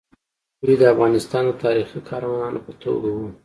دوی د افغانستان د تاریخي قهرمانانو په توګه وو.